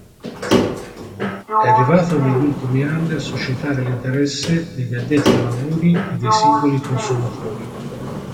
È arrivato negli ultimi anni a suscitare l'interesse degli addetti ai lavori e dei singoli consumatori.